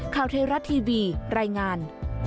คาวเทราะห์ทีวีรายงาน